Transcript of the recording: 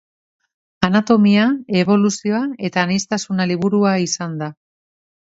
Anatomia, eboluzioa eta aniztasuna liburua izan da.